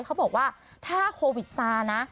เขาบอกว่าถ้าโควิดซานะ